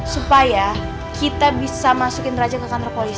supaya kita bisa masukin raja ke kantor polisi